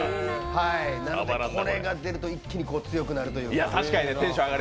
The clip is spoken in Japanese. これがでると一気に強くなるというか。